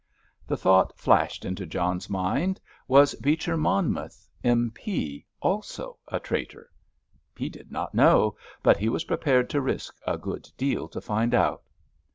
The thought flashed into John's mind—was Beecher Monmouth, M.P., also a traitor? He did not know. But he was prepared to risk a good deal to find out.